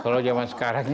kalau zaman sekarang ya